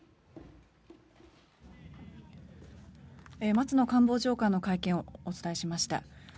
松野官房長官の会見をお伝えしました。